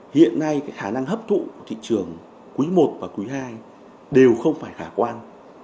hiện nay cái khả năng hấp thụ của thị trường quý một và quý hai đều không phải khả quan